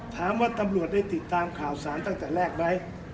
ตำรวจได้ติดตามข่าวสารตั้งแต่แรกไหม